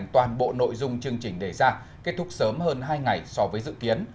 toàn bộ nội dung chương trình đề ra kết thúc sớm hơn hai ngày so với dự kiến